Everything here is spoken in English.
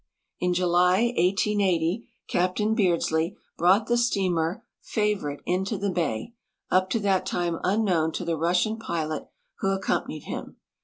In July, 1880, Captain Beardslee brought the steamer Favorite into the ba}%up to that time unknown to the Russian pilot who accompanied him.